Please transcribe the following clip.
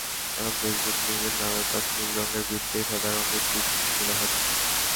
এখন ফেসবুকে মিমের নামের পাশে নীল রঙের বৃত্তে সাদা রঙের টিক চিহ্ন দেখাচ্ছে।